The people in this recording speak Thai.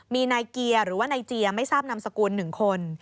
มีนายเกียร์หรือว่านายเจียไม่ทราบนามสกุล๑คน